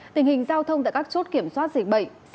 tình hình giao thông tại các chốt kiểm soát dịch bệnh